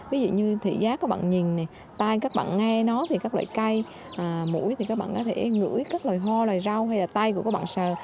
ví dụ như thị giác các bạn nhìn này tay các bạn nghe nó thì các loại cây mũi thì các bạn có thể gửi các loài hoa loài rau hay là tay của các bạn sờ